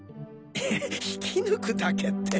えっ引き抜くだけって。